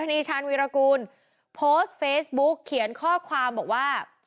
นีชาญวีรกูลโพสต์เฟซบุ๊กเขียนข้อความบอกว่า